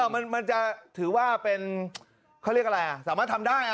มันจะถือว่าเป็นเขาเรียกอะไรสามารถทำได้